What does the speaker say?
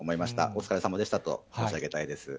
お疲れさまでしたと申し上げたいです。